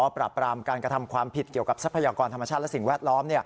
ปราบปรามการกระทำความผิดเกี่ยวกับทรัพยากรธรรมชาติและสิ่งแวดล้อม